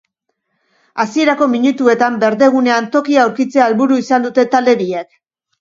Hasierako minutuetan berdegunean tokia aurkitzea helburu izan dute talde biek.